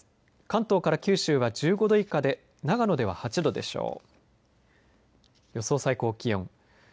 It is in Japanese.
関東から九州は１５度以下で長野では８度でしょう。